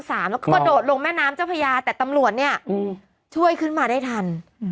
แล้วก็กระโดดลงแม่น้ำเจ้าพญาแต่ตำรวจเนี่ยช่วยขึ้นมาได้ทัน